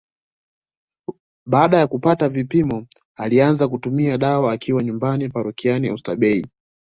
Baada ya kupata vipimo alianza kutumia dawa akiwa nyumbani parokiani ostabei